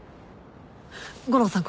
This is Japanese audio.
悟郎さん